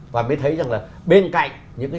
và mới thấy rằng là bên cạnh những cái